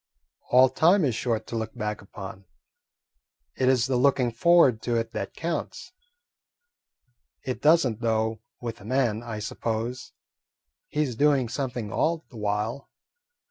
"All time is short to look back upon. It is the looking forward to it that counts. It does n't, though, with a man, I suppose. He's doing something all the while."